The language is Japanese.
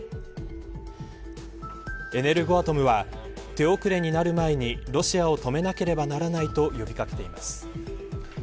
エネルゴアトムは手遅れになる前にロシアを止めなければならないと呼び掛けています。